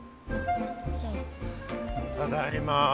ただいま。